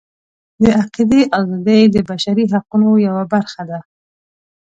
د عقیدې ازادي د بشري حقونو یوه برخه ده.